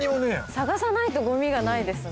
探さないとゴミがないですね。